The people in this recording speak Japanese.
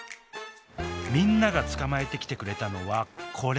みんなが捕まえてきてくれたのはこれ。